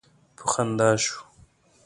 په خندا شو.